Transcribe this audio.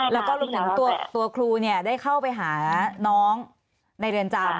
แล้วที่ครูเนี่ยได้เข้าไปหาน้องในเรือนจำ